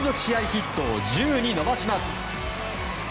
ヒットを１０に伸ばします。